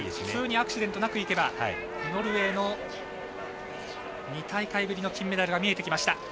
普通にアクシデントなくいけばノルウェーの２大会ぶりの金メダルが見えてきました。